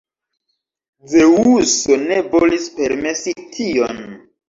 Zeŭso ne volis permesi tion.